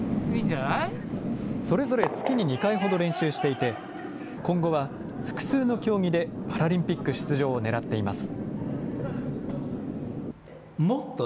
それぞれ月に２回ほど練習していて、今後は複数の競技でパラリンピック出場をねらっています。